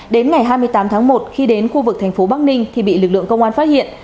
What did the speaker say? đến ngày hai mươi tám tháng một khi đến khu vực thành phố bắc ninh thì bị lực lượng công an phát hiện